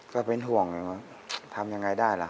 ก็เป็นห่วงอย่างนั้นทำยังไงได้ล่ะ